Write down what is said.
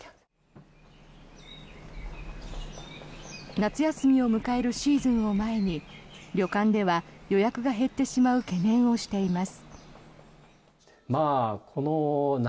夏休みを迎えるシーズンを前に旅館では、予約が減ってしまう懸念をしています。